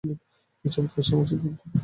কী চমৎকার সামাজিক বন্ধন।